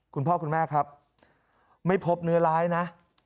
คุณพ่อคุณแม่ครับไม่พบเนื้อร้ายนะ